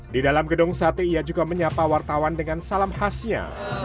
di dalam gedung sate ia juga menyapa wartawan dengan salam khasnya